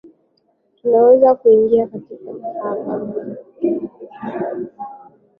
Tunaweza kuingia kwa hapa.